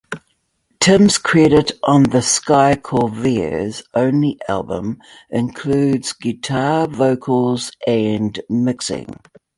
Tim's credit on The Sky Corvair's only album includes, guitar, vocals, and mixing.